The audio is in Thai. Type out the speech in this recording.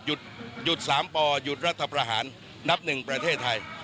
หยุด๓ปหยุดรัฐประหารนับหนึ่งประเทศไทย